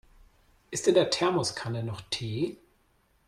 Ist in der Thermoskanne noch Tee?